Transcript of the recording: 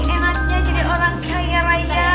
enaknya jadi orang kaya raya